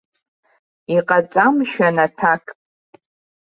Иҟаҵа, мшәан, аҭак.